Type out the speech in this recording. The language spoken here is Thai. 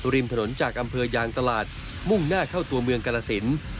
ริมถนนจากอำเภอยางตลาดมุ่งหน้าเข้าตัวเมืองกรสิน